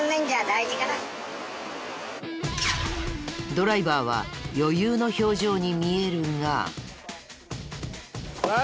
ドライバーは余裕の表情に見えるが。